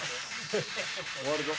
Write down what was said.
終わるぞ。